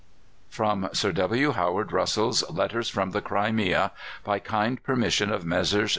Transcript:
From Sir W. Howard Russell's "Letters from the Crimea." By kind permission of Messrs.